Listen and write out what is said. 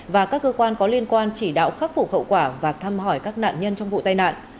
và các cơ quan có liên quan chỉ đạo khắc phục hậu quả và thăm hỏi các nạn nhân trong vụ tai nạn